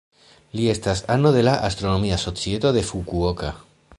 Li estas ano de la Astronomia Societo de Fukuoka.